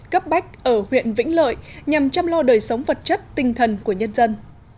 cấp bách ở huyện vĩnh lợi nhằm chăm lo đời sống vật chất tinh thần của nhân dân